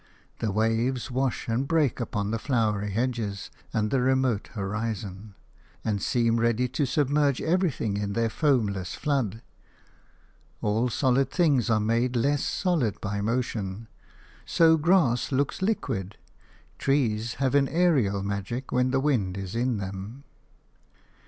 The waves wash and break upon the flowery hedges and the remote horizon, and seem ready to submerge everything in their foamless flood. All solid things are made less solid by motion – so grass looks liquid, trees have an aerial magic when the wind is in them.